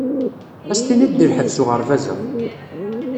Ad s-tiniḍ d lḥebs uɣerbaz-a.